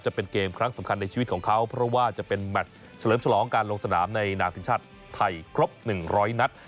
จะเป็นเกมครั้งสำคัญในชีวิตของเขาเพราะว่าจะเป็นแมทเฉลิมฉลองการลงสนามในนามทีมชาติไทยครบ๑๐๐นัด